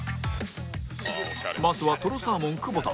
まずはとろサーモン久保田